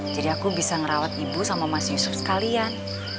jadi aku bisa merawat ibu sama mas yusuf sekalian